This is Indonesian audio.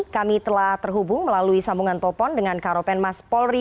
kami telah terhubung melalui sambungan telepon dengan karopen mas polri